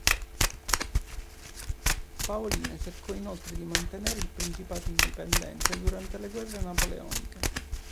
Paolina cercò inoltre di mantenere il principato indipendente durante le Guerre napoleoniche.